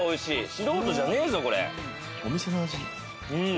素人じゃねえぞ、これ。